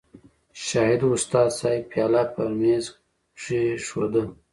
شاهد استاذ صېب پياله پۀ مېز کېښوده